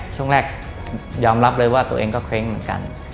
ช่วงแรกยอมรับเลยว่าตัวเองก็เคร้งเหมือนกัน